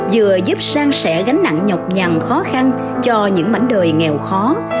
vừa giúp sang sẻ gánh nặng nhọc nhằn khó khăn cho những mảnh đời ngàn năm